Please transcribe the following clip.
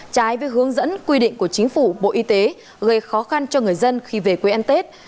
trái với hướng dẫn quy định của chính phủ bộ y tế gây khó khăn cho người dân khi về quê ăn tết